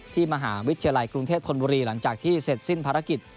มหาวิทยาลัยกรุงเทพธนบุรีหลังจากที่เสร็จสิ้นภารกิจ